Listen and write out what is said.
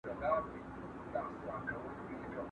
شاګرد باید خپل مخالفت په ډاګه کړي.